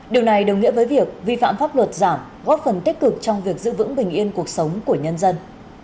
điều này đồng nghĩa với việc vi phạm pháp luật giảm góp phần tích cực trong việc giữ vững bình yên cuộc sống của nhân dân